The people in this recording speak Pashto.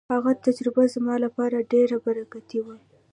هغه تجربه زما لپاره ډېره برکتي وه.